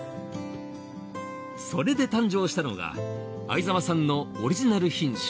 それで誕生したのが相澤さんのオリジナル品種